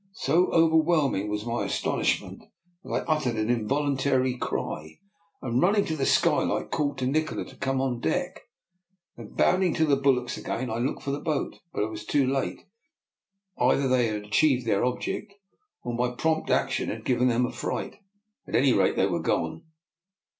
So overwhelming was my astonish DR. NIKOLA'S EXPERIMENT. 131 ment that I uttered an involuntary cry, and, running to the skylight, called to Nikola to come on deck. Then, bounding to the bul warks again, I looked for the boat. But I was too late. Either they had achieved their object, or my prompt action had given them a fright. At any rate, they were gone.